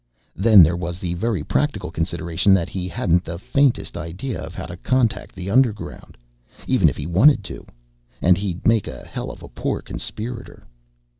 Then there was the very practical consideration that he hadn't the faintest idea of how to contact the underground even if he wanted to. And he'd make a hell of a poor conspirator.